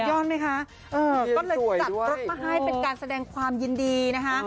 ก็เลยจัดรถมาให้เป็นการแสดงความยินดี